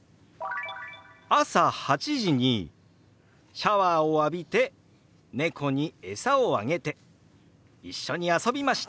「朝８時にシャワーを浴びて猫にえさをあげて一緒に遊びました。